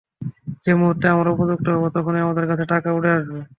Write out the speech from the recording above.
যে মুহূর্তে আমরা উপযুক্ত হব, তখনই আমাদের কাছে টাকা উড়ে আসবে।